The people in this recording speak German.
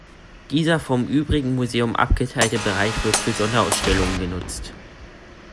Dieser vom übrigen Museum abgeteilte Bereich wird für Sonderausstellungen genutzt.